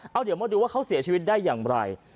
เอาเดี๋ยวมาดูว่าเขาเสียชีวิตได้อย่างไร